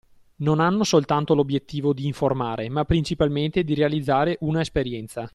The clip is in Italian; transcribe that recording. Non hanno soltanto l’obbiettivo di informare, ma principalmente di realizzare una esperienza